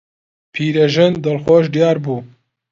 پیرەژن دڵخۆش دیار بوو.